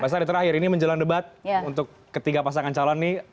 pak sari terakhir ini menjelang debat untuk ketiga pasangan calon nih